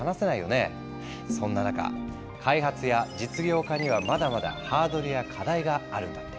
そんな中開発や実用化にはまだまだハードルや課題があるんだって。